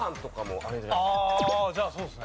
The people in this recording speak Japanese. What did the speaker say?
ああじゃあそうっすね。